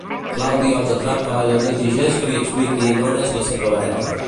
Claudia els atrapa i els exigeix que li expliquin on és la seva vareta.